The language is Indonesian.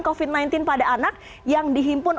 covid sembilan belas pada anak yang dihimpun